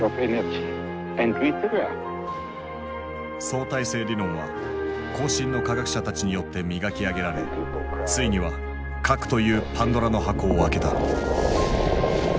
相対性理論は後進の科学者たちによって磨き上げられついには核というパンドラの箱を開けた。